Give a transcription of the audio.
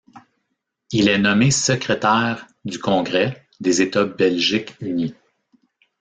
Il est nommé secrétaire du Congrès des États belgiques unis.